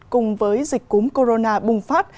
cùng với dịch cúm corona bùng phát